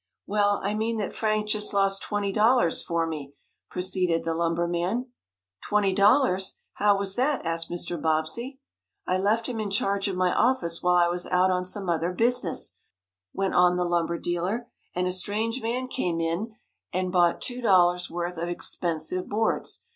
"Well, I mean that Frank just lost twenty dollars for me," proceeded the lumber man. "Twenty dollars! How was that?" asked Mr. Bobbsey. "I left him in charge of my office, while I was out on some other business," went on the lumber dealer, "and a strange man came in and bought two dollars worth of expensive boards.